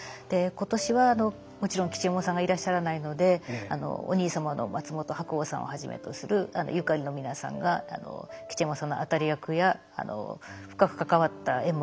今年はもちろん吉右衛門さんがいらっしゃらないのでお兄様の松本白鸚さんをはじめとするゆかりの皆さんが吉右衛門さんの当たり役や深く関わった演目を上演されました。